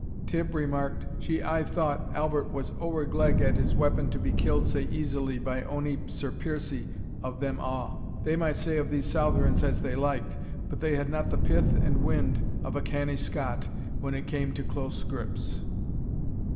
Tibb remarked, "She aye thought Halbert was ower gleg at his weapon to be killed sae easily by ony Sir Piercie of them a'. They might say of these Southrons as they liked; but they had not the pith and wind of a canny Scot, when it came to close grips."